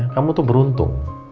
kamu tuh beruntung